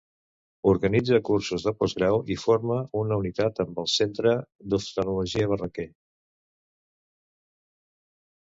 Organitza cursos de postgrau i forma una unitat amb el Centre d'Oftalmologia Barraquer.